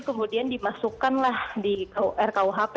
terus kemudian dimasukkan lah di rkuhp